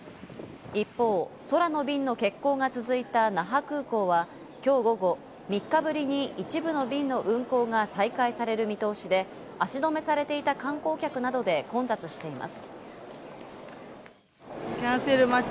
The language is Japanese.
一方、空の便の欠航が続いた那覇空港はきょう午後、３日ぶりに一部の便の運航が再開される見通しで、足止めされていた観光客などで混雑しています。